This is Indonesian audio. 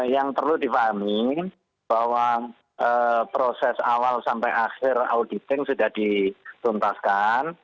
yang perlu dipahami bahwa proses awal sampai akhir auditing sudah dituntaskan